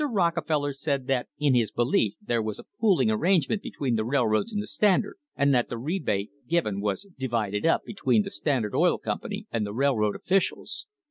Rocke feller said that in his belief there was a pooling arrangement between the railroads and the Standard and that the rebate given was "divided up between the Standard Oil Company and the railroad officials."